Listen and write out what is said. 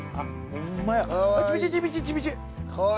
ホンマや。